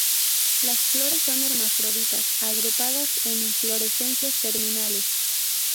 Las flores son hermafroditas agrupadas en inflorescencias terminales.